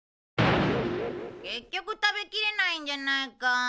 結局食べきれないんじゃないか。